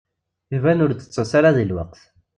Iban ur d-tettas ara di lweqt.